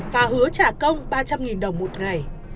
và hứa trả công ba trăm linh đồng một ngày